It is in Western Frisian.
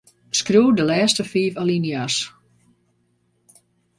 Skriuw de lêste fiif alinea's.